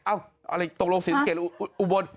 อ้าวอะไรตรงโรงศรีสเกตอุบล